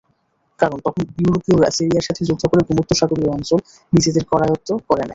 কারণ, তখন ইউরোপীয়রা সিরিয়ার সাথে যুদ্ধ করে ভূমধ্যসাগরীয় অঞ্চল নিজেদের করায়ত্ত করে নেয়।